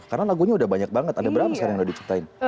karena lagunya udah banyak banget ada berapa sekarang yang udah diceritain